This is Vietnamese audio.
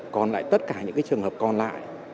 còn lại tất cả những trường hợp còn lại